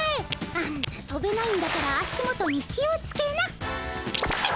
あんたとべないんだから足元に気をつけな。